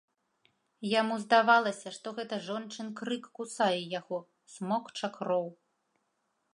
Яму здавалася, што гэта жончын крык кусае яго, смокча кроў.